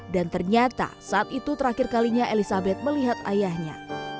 dan ternyata saat itu terakhir kalinya elizabeth melihat ayahnya